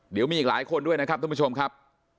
เดี๋ยวมีอีกหลายคนด้วยนะครับท่านผู้ชมครับ